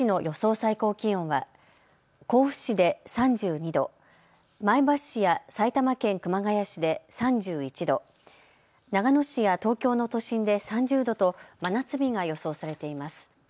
最高気温は甲府市で３２度、前橋市や埼玉県熊谷市で３１度、長野市や東京の都心で３０度と真夏日が予想されています。